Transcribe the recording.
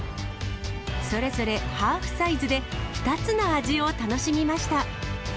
それぞれハーフサイズで２つの味を楽しみました。